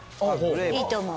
いいと思う。